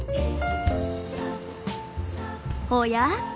おや？